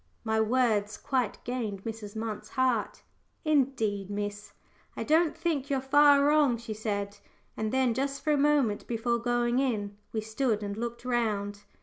My words quite gained Mrs. Munt's heart. "Indeed, miss, I don't think you're far wrong," she said. And then, just for a moment before going in, we stood and looked round.